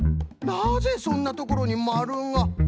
なぜそんなところにまるが。